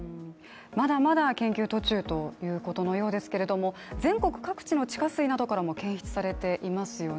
まだまだ研究途中ということのようですけれども全国各地の地下水などからも検出されていますよね。